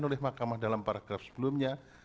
oleh mahkamah dalam paragraf sebelumnya